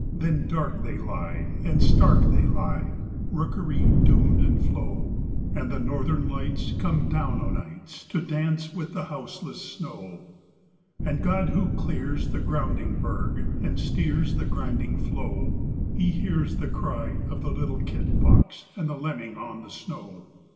Then dark they lie and stark they lie rookery, dune, and floe, And the Northern Lights come down o' nights to dance with the houseless snow. And God who clears the grounding berg and steers the grinding floe, He hears the cry of the little kit fox and the lemming on the snow.